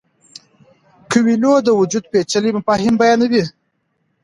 کویلیو د وجود پیچلي مفاهیم بیانوي.